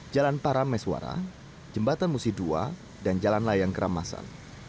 jalan parameswara jembatan musi dua dan jalan layang keramasan